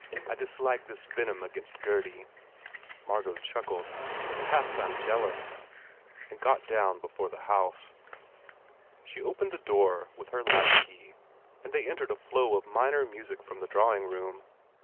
I dislike this venom against Gurdy." Margot chuckled, "Perhaps I m jealous," and got down before the house. She opened the door with her latchkey and they entered a flow of minor music from the drawing room.